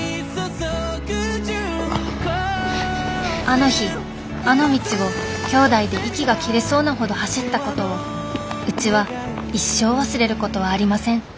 あの日あの道をきょうだいで息が切れそうなほど走ったことをうちは一生忘れることはありません。